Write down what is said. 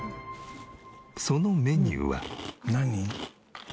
そのメニューは。何？